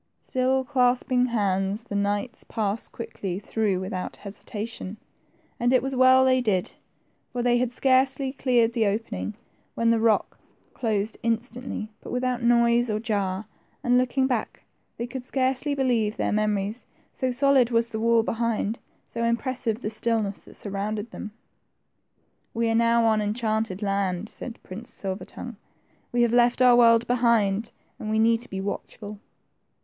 Still clasping hands, the knights passed quickly through without hesitation ; and it was well they did, for they had scarcely cleared the opening when the rock closed instantly but without noise or jar, and looking back, they could scarcely believe their memories, so solid was the wall behind, so impressive the stillness that surrounded them. We are now on enchanted land," said Prince Silver tongue; we have left our world behind, and we need to be watchful."